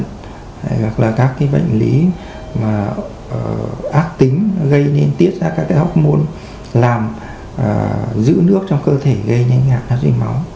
hay là các cái bệnh lý ác tính gây nên tiết ra các cái hormôn làm giữ nước trong cơ thể gây nhanh hạ nát ri máu